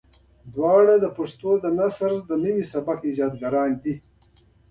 دواړه د پښتو نثر د نوي سبک ايجادګران وو.